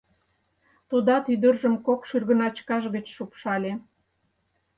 Тудат ӱдыржым кок шӱргыначкаж гыч шупшале.